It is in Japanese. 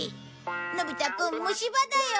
のび太くん虫歯だよ。えっ？